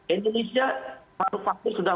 indonesia paru paru sudah